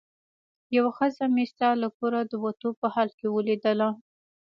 یوه ښځه مې ستا له کوره د وتو په حال کې ولیدله.